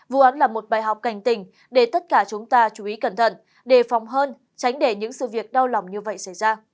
vụ án là một bài học cảnh tỉnh để tất cả chúng ta chú ý cẩn thận đề phòng hơn tránh để những sự việc đau lòng như vậy xảy ra